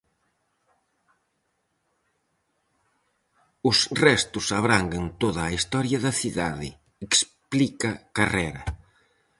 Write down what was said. "Os restos abranguen toda a historia da cidade", explica Carrera.